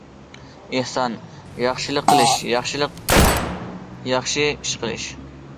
ئېھسان : ياخشىلىق قىلىش، ياخشىلىق، ياخشى ئىش قىلىش.